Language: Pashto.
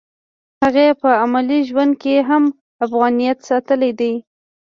هغې په عملي ژوند کې هم افغانیت ساتلی دی